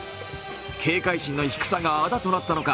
警戒心の低さがあだとなったのか